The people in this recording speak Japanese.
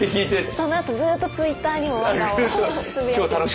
そのあとずっとツイッターにも和歌をつぶやく。